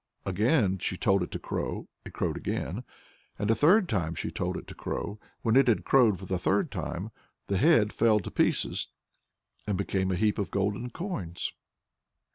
Again she told it to crow; it crowed again. And a third time she told it to crow. When it had crowed for the third time, the Head fell to pieces, and became a heap of golden coins."